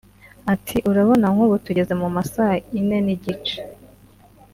Ati” urabona nk’ubu tugeze mu ma saa ine n’igice